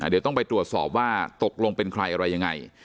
เดี๋ยวต้องไปตรวจสอบว่าตกลงเป็นใครอะไรยังไง